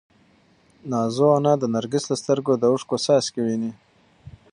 نازو انا د نرګس له سترګو د اوښکو څاڅکي ویني.